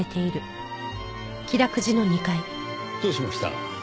どうしました？